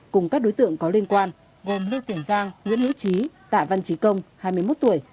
cùng các đối tượng có liên quan gồm lưu tiền giang nguyễn hứa trí tả văn trí công hai mươi một tuổi